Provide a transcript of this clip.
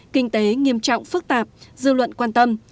kinh tế nghiêm trọng phức tạp dư luận quan tâm